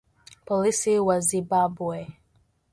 Polisi wa Zimbabwe